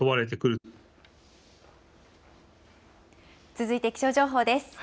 続いて気象情報です。